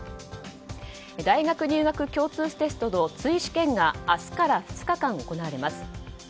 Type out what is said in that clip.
大学入学共通テストの追試験が明日から２日間行われます。